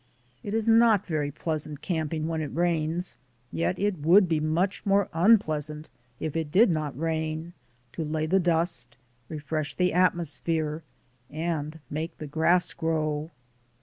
It is not very pleasant camping when it rains, yet it would be much more unpleasant if it did not rain — to lay the dust, refresh the atmosphere, and make the grass grow.